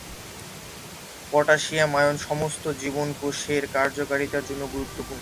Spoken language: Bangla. পটাশিয়াম আয়ন সমস্ত জীবন্ত কোষের কার্যকারিতার জন্য গুরুত্বপূর্ণ।